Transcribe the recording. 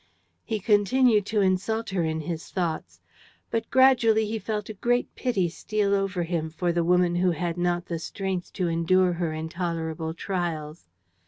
He continued to insult her in his thoughts; but gradually he felt a great pity steal over him for the woman who had not had the strength to endure her intolerable trials.